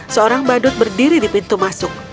seorang badut berdiri di pintu masuk